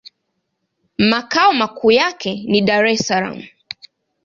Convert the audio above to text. Makao makuu yake ni Dar-es-Salaam.